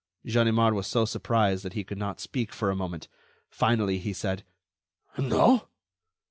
Ganimard was so surprised that he could not speak for a moment; finally, he said: "No?...